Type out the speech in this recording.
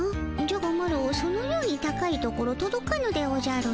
じゃがマロそのように高い所とどかぬでおじゃる。